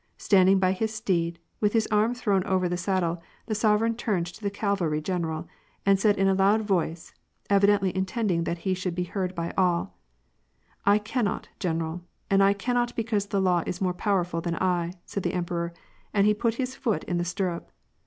Standing by his steed, with his arm thrown over the saddle, the sovereign turned to the cavalry general, and said in a loud voice, evidently intending that he should be heard by all, —" I cannot, general, and I cannot because the law is more powerful than I," said the emperor, and he put his foot in the stirrup.